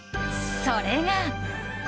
それが。